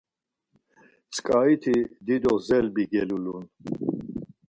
tzǩariti dido zelbi gelulun.